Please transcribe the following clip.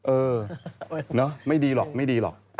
เออเนอะไม่ดีหรอกไม่ดีหรอก